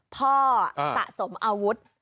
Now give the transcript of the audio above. พ่อสะสมอาวุธ